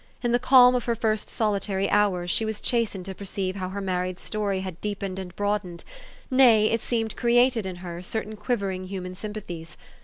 In the calm of her first solitary hours she was chastened to perceive how her married story had deepened and broadened, nay, it seemed, created in her, certain quivering human sympathies.